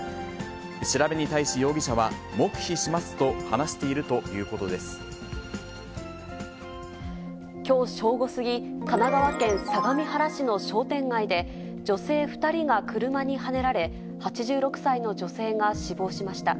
調べに対し容疑者は、黙秘しますきょう正午過ぎ、神奈川県相模原市の商店街で、女性２人が車にはねられ、８６歳の女性が死亡しました。